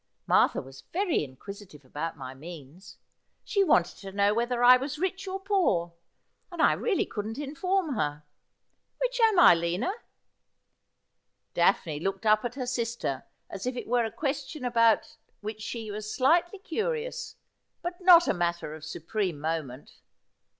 IMartha was very inquisitive about my means. She wanted to know whether I was rich or poor, and I really couldn't inform her. Which am I, Lina ?' Daphne looked up at her sister as if it were a question about ' Curteis She loas, Discrete, and Debonaire.' 47 which she was slightly curious, but not a matter of supreme mo ment.